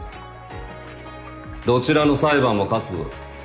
どちらの裁判も勝つぞ。